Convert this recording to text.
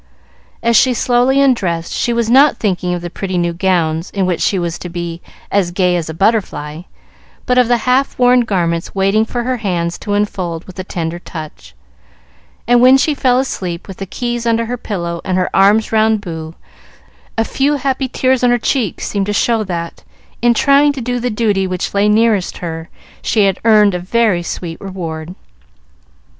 As she slowly undressed, she was not thinking of the pretty new gowns in which she was to be "as gay as a butterfly," but of the half worn garments waiting for her hands to unfold with a tender touch; and when she fell asleep, with the keys under her pillow and her arms round Boo, a few happy tears on her cheeks seemed to show that, in trying to do the duty which lay nearest her, she had earned a very sweet reward.